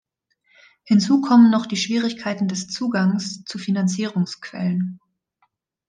Hinzu kommen noch die Schwierigkeiten des Zugangs zu Finanzierungsquellen.